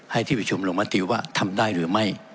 ที่ประชุมลงมติว่าทำได้หรือไม่